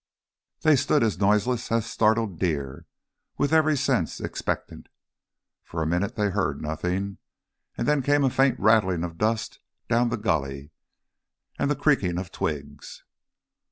They stood as noiseless as startled deer, with every sense expectant. For a minute they heard nothing, and then came a faint rattling of dust down the gully, and the creaking of twigs.